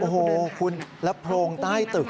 โอ้โหคุณแล้วโพรงใต้ตึก